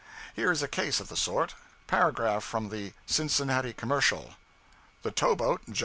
Here is a case of the sort paragraph from the 'Cincinnati Commercial' 'The towboat "Jos.